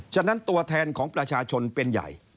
ฉะนั้นตัวแทนของประชาชนเป็นใหญ่